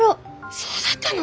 そうだったの？